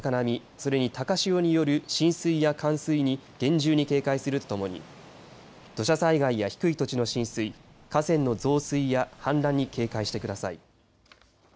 それに高潮による浸水や冠水に厳重に警戒するとともに土砂災害や低い土地の浸水河川の増水や氾濫に警戒してください。